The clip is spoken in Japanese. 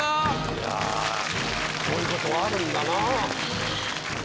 いやこういうことがあるんだな。